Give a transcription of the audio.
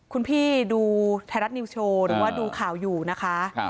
คุณพี่ดูไทยรัฐนิวโชว์หรือว่าดูข่าวอยู่นะคะ